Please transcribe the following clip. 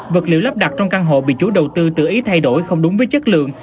vật liệu lắp đặt trong căn hộ bị chủ đầu tư tự ý thay đổi không đúng với chất lượng